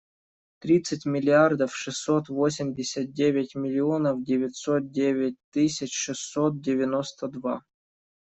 Тридцать миллиардов шестьсот восемьдесят девять миллионов девятьсот девять тысяч шестьсот девяносто два.